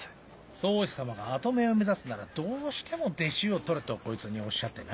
宗師様が跡目を目指すならどうしても弟子を取れとこいつにおっしゃってな。